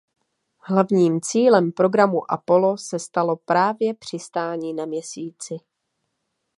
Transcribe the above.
Hlavním cílem programu Apollo se stalo právě přistání na Měsíci.